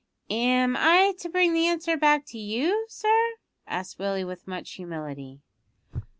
"Am I to bring the answer back to you, sir?" asked Willie with much humility.